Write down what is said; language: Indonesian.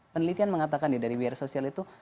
penelitian mengatakan dari wear sosial itu